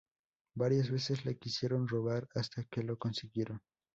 Varias veces la quisieron robar, hasta que lo consiguieron.